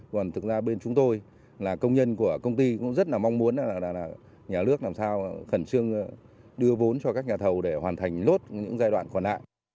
còn thực ra bên chúng tôi là công nhân của công ty cũng rất là mong muốn là nhà nước làm sao khẩn trương đưa vốn cho các nhà thầu để hoàn thành nốt những giai đoạn còn lại